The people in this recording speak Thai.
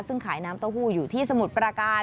ซึ่งขายน้ำเต้าหู้อยู่ที่สมุทรประการ